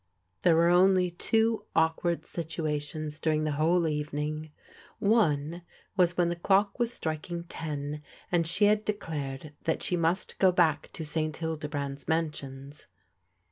There were only two awkward situations during the v.'hole evening. One was when the clock was striking ten, and she had declared that she must go back to St Hildebrand's Mansions.